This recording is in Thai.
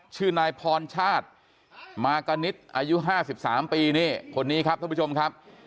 ชื่อนายพรชาติมากนิดอายุ๕๓ปีนี่คนนี้ครับท่านผู้ชมครับ